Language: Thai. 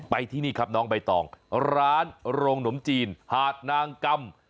ที่นี่ครับน้องใบตองร้านโรงหนมจีนหาดนางกำ